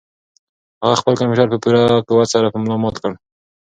هغه خپل کمپیوټر په پوره قوت سره په ملا مات کړ.